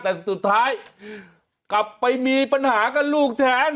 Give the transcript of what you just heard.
แต่สุดท้ายกลับไปมีปัญหากับลูกแทน